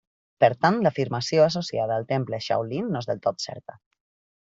Per tant l'afirmació associada al temple Shaolin no és del tot certa.